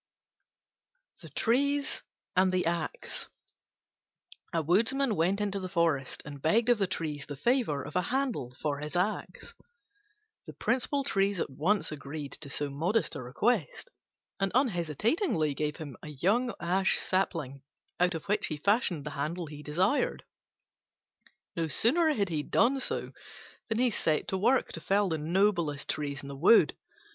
THE TREES AND THE AXE A Woodman went into the forest and begged of the Trees the favour of a handle for his Axe. The principal Trees at once agreed to so modest a request, and unhesitatingly gave him a young ash sapling, out of which he fashioned the handle he desired. No sooner had he done so than he set to work to fell the noblest Trees in the wood.